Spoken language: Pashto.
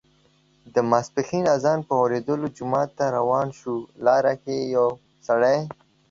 د ماسپښین اذان په اوریدا جومات ته روان شو، لاره کې یې یو سړی